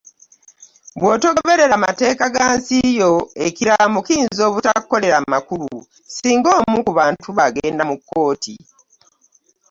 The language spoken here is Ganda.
Bw’otagoberera mateeka ga nsi yo ekiraamo kiyinza obutakola makulu singa omu ku bantu bo agenda mu kkooti.